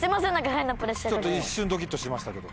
ちょっと一瞬ドキっとしましたけど。